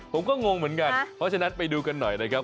งงเหมือนกันเพราะฉะนั้นไปดูกันหน่อยนะครับ